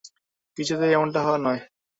কিছুতেই এমনটা হওয়ার নয়।